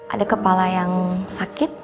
ada kepala yang sakit